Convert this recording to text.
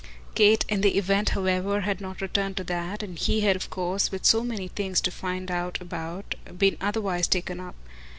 Kate, in the event, however, had not returned to that, and he had of course, with so many things to find out about, been otherwise taken up.